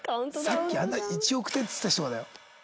さっきあんな「１億点」っつってた人がだよ。